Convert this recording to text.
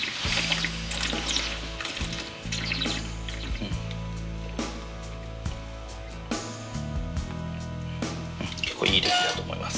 うん結構いい出来だと思います。